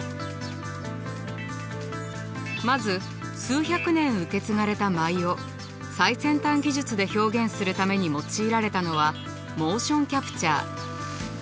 まず数百年受け継がれた舞を最先端技術で表現するために用いられたのはモーションキャプチャー。